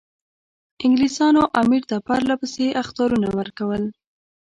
انګلیسانو امیر ته پرله پسې اخطارونه ورکول.